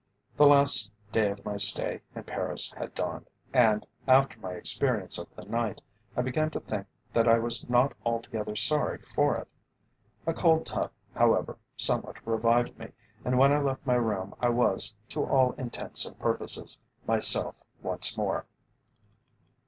The last day of my stay in Paris had dawned, and, after my experience of the night, I began to think that I was not altogether sorry for it. A cold tub, however, somewhat revived me, and when I left my room I was, to all intents and purposes, myself once more.